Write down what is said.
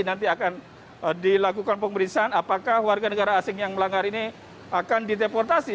nanti akan dilakukan pemeriksaan apakah warga negara asing yang melanggar ini akan dideportasi